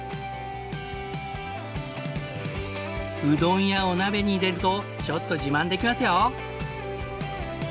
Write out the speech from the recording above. うどんやお鍋に入れるとちょっと自慢できますよ！